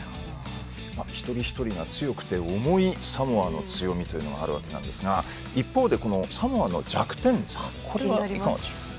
一人一人が強くて重いサモアの強みがあるわけですが一方で、サモアの弱点はいかがでしょう？